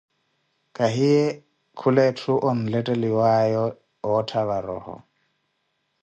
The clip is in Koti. Kahiye kula etthu onretteliwaaya oottha varoho.